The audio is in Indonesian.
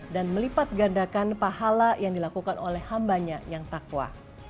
dan melipat gandakan pahala yang dilakukan oleh hambanya yang takwa